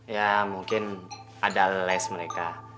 ya mungkin ada les mereka